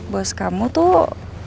bos kamu tuh